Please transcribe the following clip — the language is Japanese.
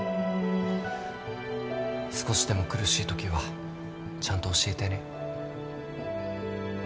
少しでも苦しいときはちゃんと教えてね。